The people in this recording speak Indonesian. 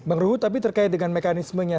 bang ruhut tapi terkait dengan mekanismenya